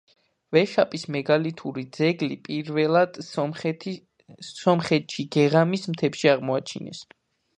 ვეშაპის მეგალითური ძეგლი პირველად სომხეთში გეღამის მთებში აღმოაჩინეს.